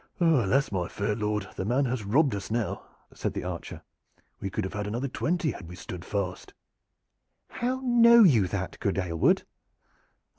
"Alas, my fair lord! the man has robbed us now," said the archer. "We could have had another twenty had we stood fast." "How know you that, good Aylward?"